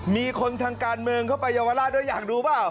มีคนทางการเมืองเข้าไปเยาวราชด้วยอยากดูเปล่า